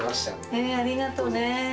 えー、ありがとうね。